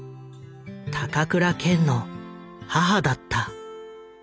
高倉健の母だった。